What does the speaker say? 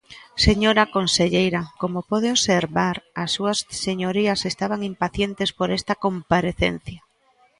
Señora conselleira, como pode observar, as súas señorías estaban impacientes por esta comparecencia.